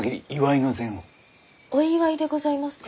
お祝いでございますか？